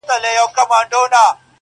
هر څوک د پیښي خپل تفسير وړاندي کوي,